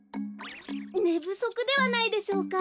ねぶそくではないでしょうか？